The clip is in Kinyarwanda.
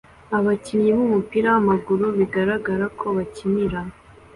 Abakinnyi b'umupira w'amaguru bigaragara ko bakinira